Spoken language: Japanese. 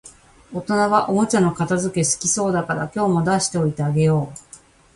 大人はおもちゃの片づけ好きそうだから、今日も出しておいてあげよう